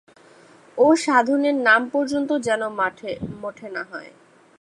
ওঁ-সাধনের নাম পর্যন্ত যেন মঠে না হয়।